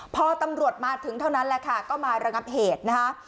พอตำรวจมาถึงเท่านั้นแหละค่ะก็มาระงับเหตุนะคะ